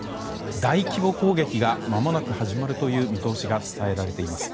大規模攻撃がまもなく始まるという見通しが伝えられています。